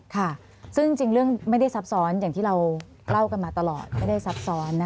ค่ะซึ่งจริงเรื่องไม่ได้ซับซ้อนอย่างที่เราเล่ากันมาตลอดไม่ได้ซับซ้อนนะคะ